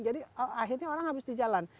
jadi akhirnya orang habis di jalan